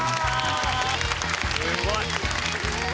すごい！